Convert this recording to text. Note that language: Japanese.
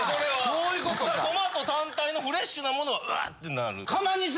・そういうことか・トマト単体のフレッシュなものはうわってなる。